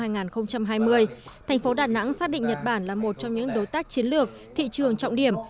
thành phố đà nẵng xác định nhật bản là một trong những đối tác chiến lược thị trường trọng điểm